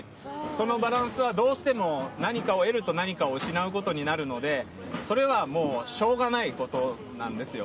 そのバランスはどうしても何かを得ると何かを失うことになるのでしょうがないことなんですよ。